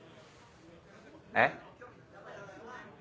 えっ？